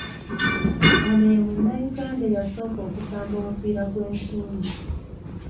Ono ye Munnayuganda eyasooka okusamba omupiira gw’ensimbi.